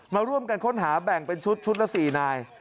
มาร่วมกันค้นหาแบ่งเป็นชุดชุดละ๔นาย